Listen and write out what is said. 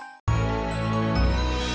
wah nyepi ya allah